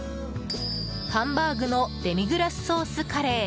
ハンバーグのデミグラスソースカレー。